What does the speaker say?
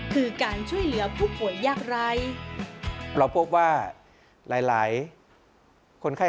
คือการช่วยเหลือผู้ป่วยยากไร